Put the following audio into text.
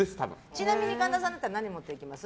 ちなみに神田さんだったら何を持っていきます？